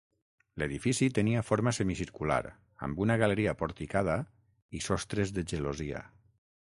L'edifici tenia forma semicircular, amb una galeria porticada i sostres de gelosia.